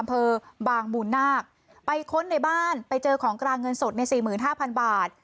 อำเภอบางมูลนาคไปค้นในบ้านไปเจอของกลางเงินสดในสี่หมื่นห้าพันบาท